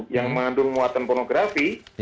yang mengandung muatan pornografi